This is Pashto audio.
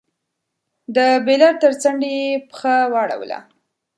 د بېلر تر څنډې يې پښه واړوله.